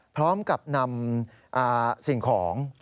พร้อมกับนำสิ่งของ